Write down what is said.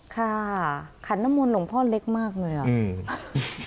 ขันน้ำมนต์หลวงพ่อเล็กมากเลยอ่ะอืม